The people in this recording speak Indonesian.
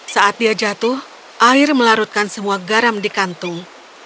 saat dia jatuh air melarutkan semua garam di kantung